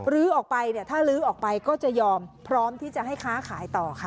ออกไปเนี่ยถ้าลื้อออกไปก็จะยอมพร้อมที่จะให้ค้าขายต่อค่ะ